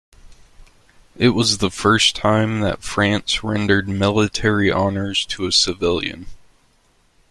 It was the first time that France rendered military honours to a civilian.